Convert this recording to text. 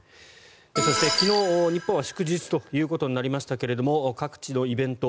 そして昨日、日本は祝日ということになりましたが各地のイベント